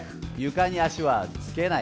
床に足はつけない。